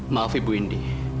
maaf ibu indi